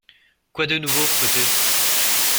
Quoi de nouveau, Poteu ?